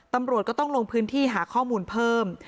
ตำรวจก็ต้องลงพื้นที่หาข้อมูลเพิ่ม